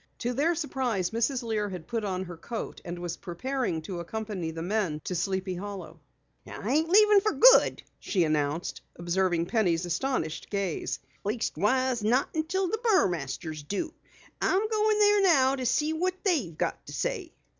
To their surprise Mrs. Lear had put on her coat and was preparing to accompany the men to Sleepy Hollow. "I ain't leavin' fer good," she announced, observing Penny's astonished gaze. "Leastwise, not unless the Burmasters do. I'm going there now to see what they've got to say."